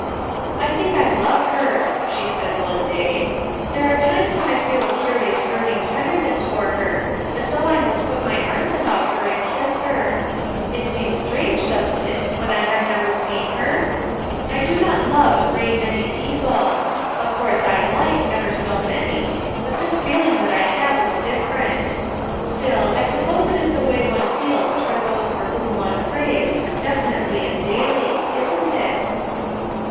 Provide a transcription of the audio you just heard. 11 1 think I love her/ 1 she said one day. " There are times when I feel a curious yearning tender ness for her, as though I must put my arms about her and kisa her, It seems strange, doesn't it when I have never seen her? I do not love a great many people; of course I like ever so many, but this feeling that I have is different. StiU, I suppose it is the way one feels toward those for whom one prays, definitely and daily. Isn't it?"